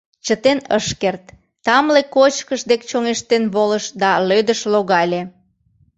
Чытен ыш керт, тамле кочкыш дек чоҥештен волыш да лӧдыш логале.